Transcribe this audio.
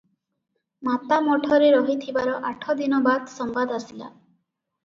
ମାତା ମଠରେ ରହିଥିବାର ଆଠ ଦିନ ବାଦ ସମ୍ବାଦ ଆସିଲା ।